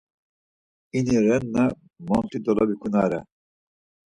İni renna monti dolovikunare.